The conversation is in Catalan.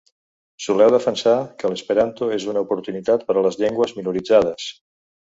Soleu defensar que l’esperanto és una oportunitat per a les llengües minoritzades.